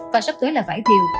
và sắp tới là vải thiều